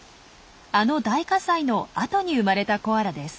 あの大火災のあとに生まれたコアラです。